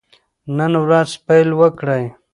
نن ورځ پیل وکړئ.